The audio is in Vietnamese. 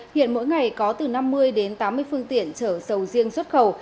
hiện mỗi ngày có từ năm mươi đến tám mươi phương tiện chở sầu riêng xuất khẩu